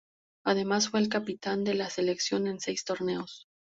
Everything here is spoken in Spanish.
Además fue el capitán de la selección en seis torneos.